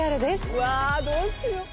うわどうしよう。